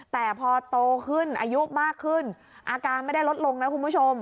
แต่พอโตขึ้นอายุมากขึ้นอาการไม่ได้ลดลงนะคุณผู้ชม